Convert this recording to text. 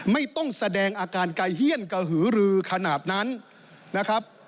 ไม่ต้องแสดงอาการกายเฮียนกระหือรือขนาดนั้นนะครับ